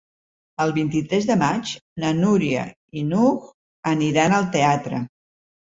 El vint-i-tres de maig na Núria i n'Hug aniran al teatre.